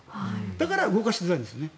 だから動かしづらいんですよね。